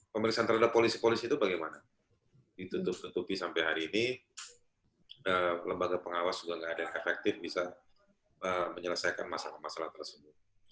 pemeriksaan terhadap polisi polisi itu bagaimana ditutup tutupi sampai hari ini lembaga pengawas juga nggak ada yang efektif bisa menyelesaikan masalah masalah tersebut